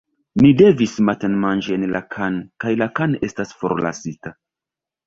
Ni devis matenmanĝi en la khan kaj la khan estas forlasita!